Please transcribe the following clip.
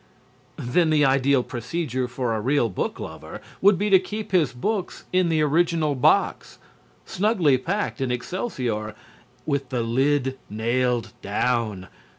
Then the ideal procedure for a real book lover would be to keep his books in the original box, snugly packed in excelsior, with the lid nailed down.